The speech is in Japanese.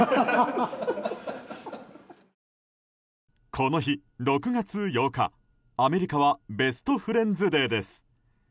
この日、６月８日アメリカはベストフレンズデーです。